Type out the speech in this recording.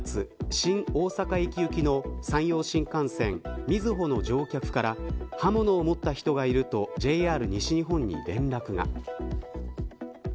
新大阪駅行きの山陽新幹線みずほの乗客から刃物を持った人がいるとＪＲ西日本に連絡が。